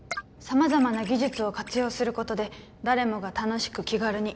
「さまざまな技術を活用することで誰もが楽しく気軽に」